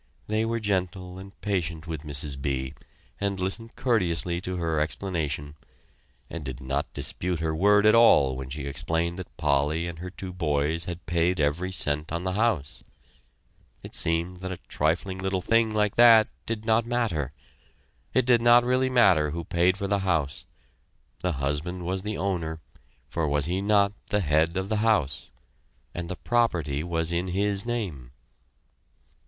They were very gentle and patient with Mrs. B. and listened courteously to her explanation, and did not dispute her word at all when she explained that Polly and her two boys had paid every cent on the house. It seemed that a trifling little thing like that did not matter. It did not really matter who paid for the house; the husband was the owner, for was he not the head of the house? and the property was in his name.